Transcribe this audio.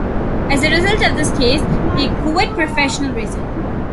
As a result of this case, he quit professional racing.